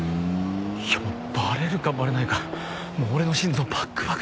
いやバレるかバレないか俺の心臓バックバクで。